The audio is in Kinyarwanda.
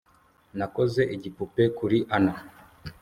Nakoze igipupe kuri Ann